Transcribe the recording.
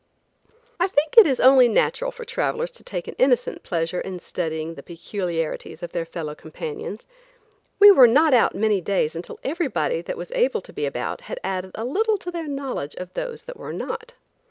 I think it is only natural for travelers to take an innocent pleasure in studying the peculiarities of their fellow companions. We were not out many days until everybody that was able to be about had added a little to their knowledge of those that were not.